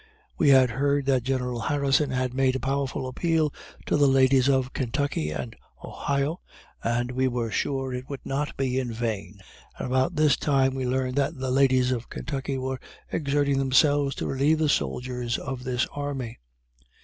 We had heard that General Harrison had made a powerful appeal to the ladies of Kentucky and Ohio, and we were sure it would not be in vain; and about this time we learned that the ladies of Kentucky were exerting themselves to relieve the soldiers of this army.